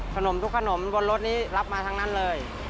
ขนมทุกขนมบนรถนี้รับมาทั้งนั้นเลย